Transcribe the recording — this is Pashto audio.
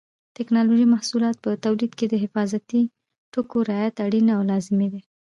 د ټېکنالوجۍ محصولاتو په تولید کې د حفاظتي ټکو رعایت اړین او لازمي دی.